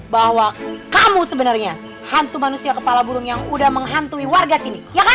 bahwa kamu sebenarnya hantu manusia kepala burung yang udah menghantui warga sini